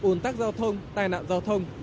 ồn tắc giao thông tai nạn giao thông